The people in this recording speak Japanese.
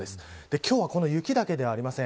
今日はこの雪だけではありません。